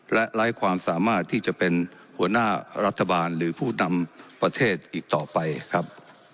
และไร้ความสามารถที่จะเป็นหัวหน้ารัฐบาลหรือผู้นำประเทศอีกต่อไปครับ